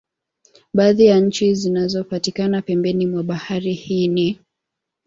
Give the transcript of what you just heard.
Baadhi ya nchi zinazopatikana pembeni mwa bahari hii ni